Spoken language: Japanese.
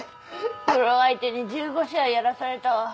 プロ相手に１５試合やらされたわ。